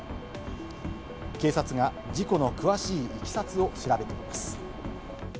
警察が事故の詳しいいきさつを調べています。